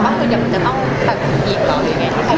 บ้างก็จะต้องแบบอีกหรือยังไง